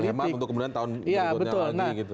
bisa dihemat untuk kemudian tahun berikutnya